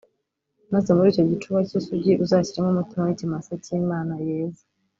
maze muri icyo gicuba cy’isugi uzashyiremo umutima w’ikimasa cy’imana yeze